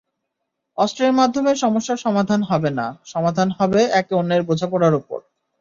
অস্ত্রের মাধ্যমে সমস্যার সমাধান হবে না, সমাধান হবে একে অন্যের বোঝাপড়ার ওপর।